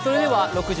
６時！